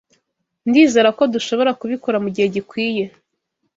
Ndizera ko dushobora kubikora mugihe gikwiye.